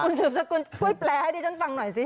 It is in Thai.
สืบสกุลช่วยแปลให้ดิฉันฟังหน่อยสิ